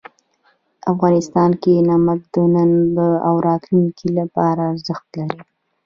افغانستان کې نمک د نن او راتلونکي لپاره ارزښت لري.